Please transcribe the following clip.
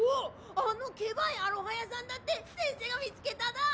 あのケバイアロハ屋さんだってせんせが見つけただ！